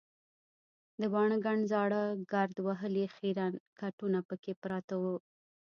د باڼه ګڼ زاړه ګرد وهلي خیرن کټونه پکې پراته وو.